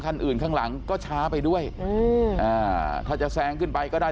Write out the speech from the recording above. คันอื่นข้างหลังก็ช้าไปด้วยอืมอ่าถ้าจะแซงขึ้นไปก็ได้